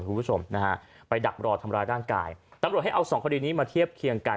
คุณผู้ชมนะฮะไปดักรอทำร้ายร่างกายตำรวจให้เอาสองคดีนี้มาเทียบเคียงกัน